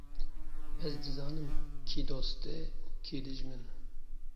Ez dizanim, kî doste û kî dijmin